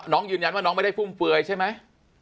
น้องยืนยันว่าน้องไม่ได้ฟุ่มเฟือยใช่ไหม